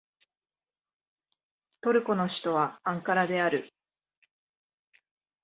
トルコの首都はアンカラである